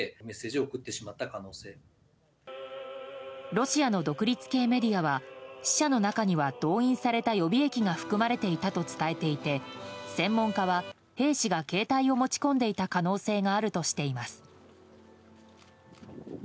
ロシアの独立系メディアは死者の中には動員された予備役が含まれていたと伝えていて専門家は兵士が携帯を持ち込んでいた可能性があるとしています。